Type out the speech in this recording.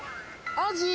アジ。